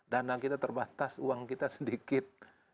dana kita terbatas uang kita sedikit